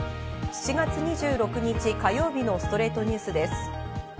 ７月２６日、火曜日の『ストレイトニュース』です。